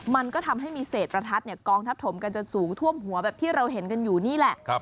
มันก็ทำให้มีเศษประทัดกองทับถมกันจนสูงท่วมหัวแบบที่เราเห็นกันอยู่นี่แหละ